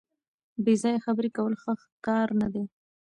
بې ځایه خبرې کول ښه کار نه دی.